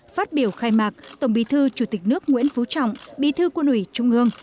phát biểu khai mạc tổng bí thư chủ tịch nước nguyễn phú trọng bí thư quân ủy trung ương